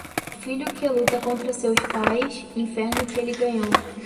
O filho que luta contra seus pais, inferno que ele ganhou.